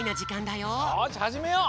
よしはじめよう。